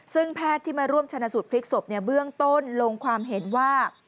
ซึ่งแพทย์ที่มาร่วมชนะสูตรพลิกศพเบื้องต้นลงความเห็นว่า